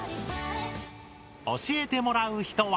教えてもらう人は。